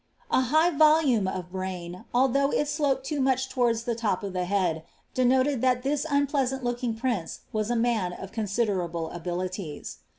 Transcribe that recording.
A mighty volume of brarn. althongti ii sloped loo much towards the top of the he«d, denoted that this un pleasant looking prince was a man of consideiable abilities.